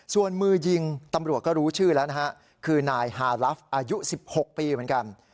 ส่วนมือยิงตำรวจก็รู้ชื่อแล้วนะฮะคือนายฮาลับอายุ๑๖ปีเหมือนกัน